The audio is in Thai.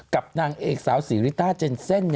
กับนางเอกสาวสีริตาเจนเซ่น